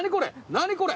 何これ！